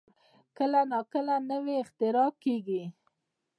کله نا کله نوې اختراع کېږي.